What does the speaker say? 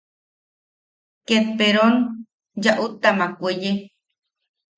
Ket peron yaʼutamak weye.